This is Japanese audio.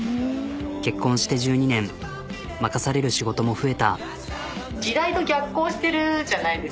結婚して１２年任される仕事も増えた。